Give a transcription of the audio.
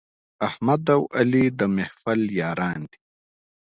احمد او علي د محفل یاران دي.